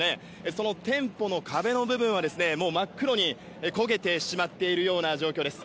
その店舗の壁の部分は真っ黒に焦げてしまっているような状況です。